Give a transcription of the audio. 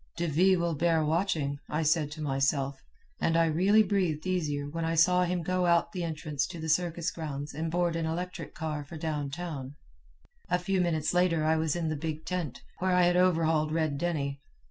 "'De Ville will bear watching,' I said to myself, and I really breathed easier when I saw him go out the entrance to the circus grounds and board an electric car for down town. A few minutes later I was in the big tent, where I had overhauled Red Denny.